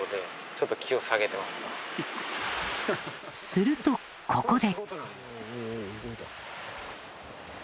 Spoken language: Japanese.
するとここで。